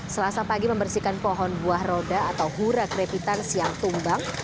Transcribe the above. selasa pagi membersihkan pohon buah roda atau hura krepitan siang tumbang